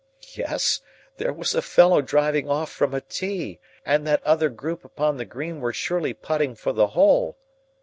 Yes, there was a fellow driving off from a tee, and that other group upon the green were surely putting for the hole.